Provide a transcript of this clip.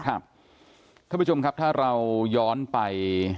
ท่านผู้ชมครับถ้าเราย้อนไป